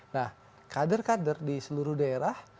nah kader kader di seluruh daerah